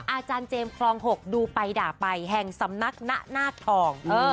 อาจารย์เจมส์คลอง๖ดูไปด่าไปแห่งสำนักณนาคทอง